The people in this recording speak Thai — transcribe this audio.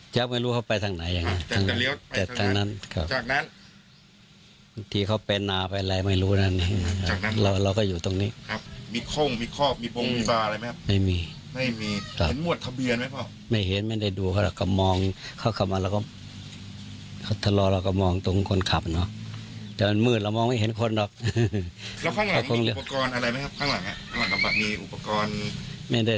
เขาเลี้ยวเข้าซอยนั่นแหละที่วันที่ผมเลี้ยงวัว